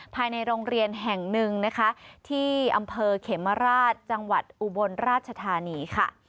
ภายในโรงเรียนแห่งหนึ่งนะคะที่อำเภอเขมราชจังหวัดอุบลราชธานีค่ะ